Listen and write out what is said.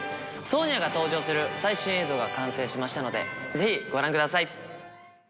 ソーニャが登場する最新映像が完成しましたのでぜひご覧ください。